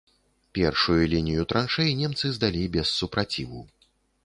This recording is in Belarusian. Першую лінію траншэй немцы здалі без супраціву.